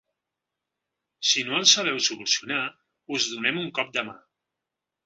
Si no el sabeu solucionar, us donem un cop de mà.